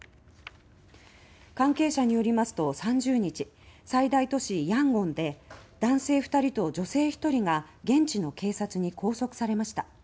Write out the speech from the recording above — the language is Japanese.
関係者によりますと３０日、最大都市ヤンゴンで男性２人と女性１人が現地の警察に拘束されました。